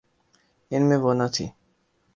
ان میں وہ نہ تھی۔